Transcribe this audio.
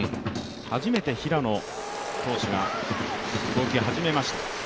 初めて平野投手が動き始めました。